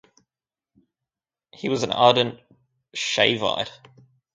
He was an ardent Shaivite.